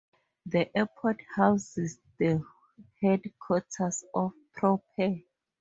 The airport houses the headquarters of Propair.